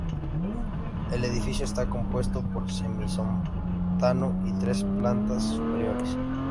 El edificio esta compuesto por semisótano y tres plantas superiores.